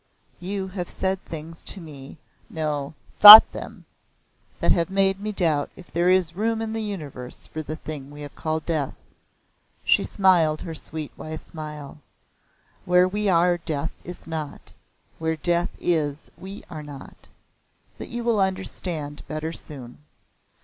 You have said things to me no, thought them, that have made me doubt if there is room in the universe for the thing we have called death." She smiled her sweet wise smile. "Where we are death is not. Where death is we are not. But you will understand better soon."